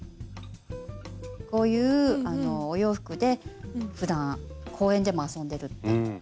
こういうお洋服でふだん公園でも遊んでるっていう。